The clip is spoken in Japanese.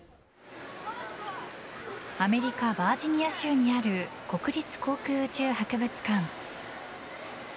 アメリカ・バージニア州にある国立航空宇宙博物館。